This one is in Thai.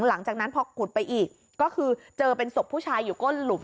หลังจากนั้นพอขุดไปอีกก็คือเจอเป็นศพผู้ชายอยู่ก้นหลุม